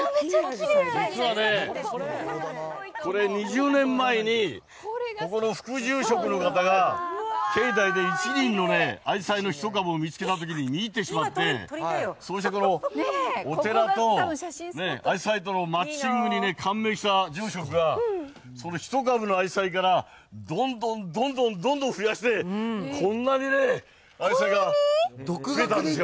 実はね、これ、２０年前にここの副住職の方が、境内で１輪のあじさいの一株を見つけたときに見入ってしまって、そうして、このお寺とあじさいとのマッチングに感銘した住職が、その１株のあじさいからどんどんどんどんどんどん増やして、こんなにね、あじさいが増えたんですよ。